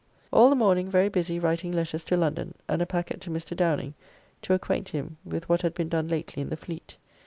All the morning very busy writing letters to London, and a packet to Mr. Downing, to acquaint him with what had been done lately in the fleet.